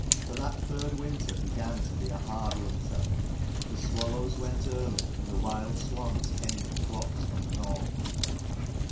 For that third winter began to be a hard winter. The swallows went early, and the wild swans came in flocks from the north.